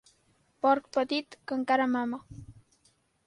Porc petit, que encara mama.